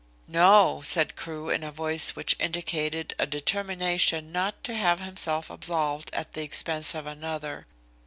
"No," said Crewe in a voice which indicated a determination not to have himself absolved at the expense of another.